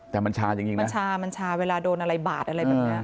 แต่มันชาจริงมันชามันชาเวลาโดนอะไรบาดอะไรแบบนี้